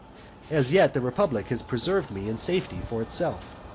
As yet the republic has preserved me in safety for itself.